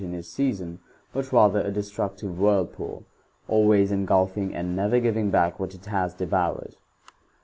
i his season," ' but ratb^i:^ destructive whirlpool, always engulfing, arid* .never giving back what it has devoured.